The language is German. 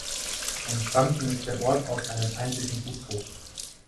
Entstanden ist der Ort aus einem einzigen Gutshof.